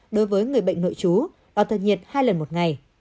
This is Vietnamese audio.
đối với người bệnh nội chú và thân nhiệt hai lần một ngày